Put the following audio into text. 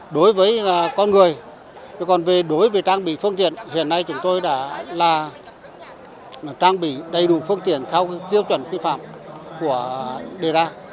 đối với con người còn về đối với trang bị phương tiện hiện nay chúng tôi đã là trang bị đầy đủ phương tiện theo tiêu chuẩn quy phạm của đề ra